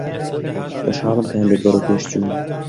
خۆشحاڵم کە هەندێک بەرەو پێش چووین.